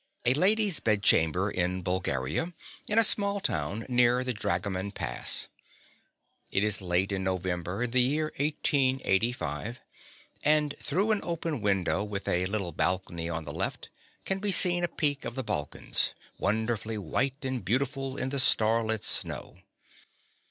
A lady's bedchamber in Bulgaria, in a small town near the Dragoman Pass. It is late in November in the year 1885, and through an open window with a little balcony on the left can be seen a peak of the Balkans, wonderfully white and beautiful in the starlit snow.